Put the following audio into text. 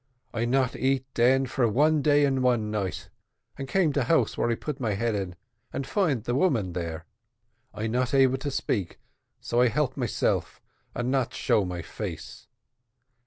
I not eat den for one day and one night, and come to house where I put my head in and find woman there. I not able to speak, so I help myself, and not show my face.